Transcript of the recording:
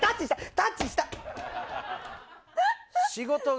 タッチした！